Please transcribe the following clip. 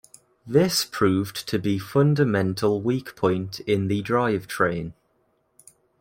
This proved to be fundamental weak point in the drive train.